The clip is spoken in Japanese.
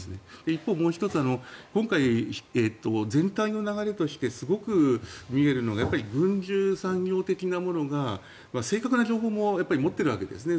一方、もう１つは今回、全体の流れとしてすごく見えるのが軍需産業的なものが正確な情報も持っているわけですね。